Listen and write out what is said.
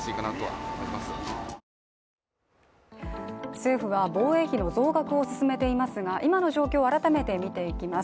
政府は防衛費の増額を進めていますが今の状況を改めて見ていきます。